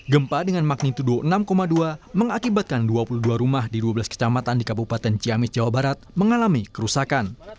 gempa dengan magnitudo enam dua mengakibatkan dua puluh dua rumah di dua belas kecamatan di kabupaten ciamis jawa barat mengalami kerusakan